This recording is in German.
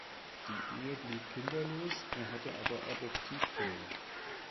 Die Ehe blieb kinderlos, er hatte aber Adoptivkinder.